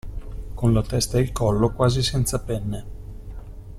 Con la testa e il collo quasi senza penne.